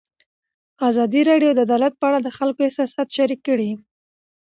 ازادي راډیو د عدالت په اړه د خلکو احساسات شریک کړي.